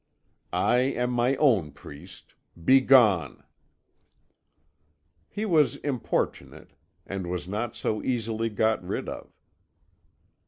I am my own priest. Begone.' "He was importunate, and was not so easily got rid of.